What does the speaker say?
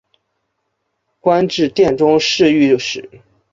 官至殿中侍御史。